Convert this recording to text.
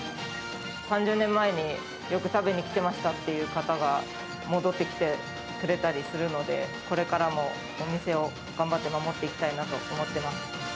３０年前によく食べに来てましたっていう方が、戻ってきてくれたりするので、これからもお店を頑張って守っていきたいなと思っています。